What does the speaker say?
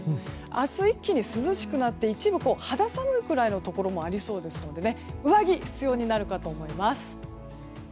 明日一気に涼しくなって一部肌寒いくらいのところもありそうですので上着が必要になるかと思います。